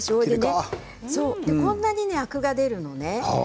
こんなにアクが出るのね。